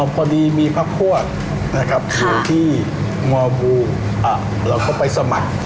พอดีมีพักพวกนะครับอยู่ที่งอบูเราก็ไปสมัคร